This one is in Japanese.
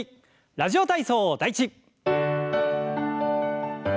「ラジオ体操第１」。